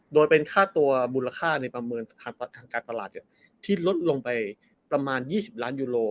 โดยเป็นค่าตัวมูลค่าในประเมินทางการตลาดที่ลดลงไปประมาณ๒๐ล้านยูโร